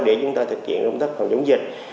để chúng ta thực hiện công tác phòng chống dịch